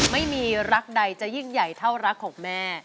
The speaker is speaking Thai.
ไม่มีรักใดจะยิ่งใหญ่เท่ารักของแม่